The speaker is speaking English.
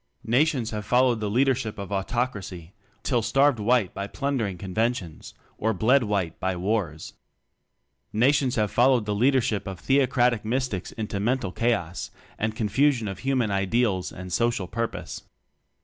Nations have followed the leader ship of Autocracy till starved white by plundering conventions or bled white by wars. Nations have followed the leader ship of Theocratic Mystics into 36 TECHNOCRACY mental chaos, and confusion of human ideals and social purpose.